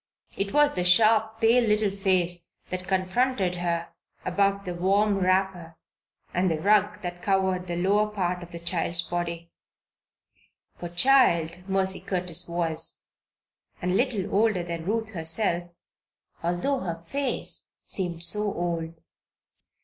It was the sharp, pale little face that confronted her above the warm wrapper and the rug that covered the lower part of the child's body; for child Mercy Curtis was, and little older than Ruth herself, although her face seemed so old.